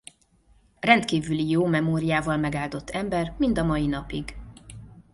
Rendkívüli jó memóriával megáldott ember mind a mai napig.